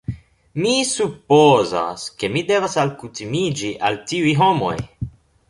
Mi supozas, ke mi devas alkutimiĝi al tiuj homoj